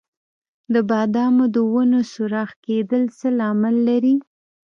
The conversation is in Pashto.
د بادامو د ونو سوراخ کیدل څه لامل لري؟